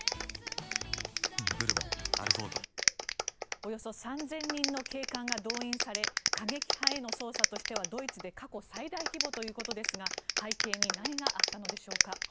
およそ３０００人の警官が動員され過激派への捜査としてはドイツで過去最大規模ということですが背景に何があったのでしょうか。